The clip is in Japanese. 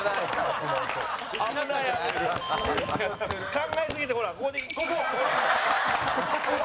「考えすぎてほらここで」